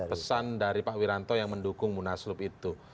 pesan dari pak wiranto yang mendukung munaslup itu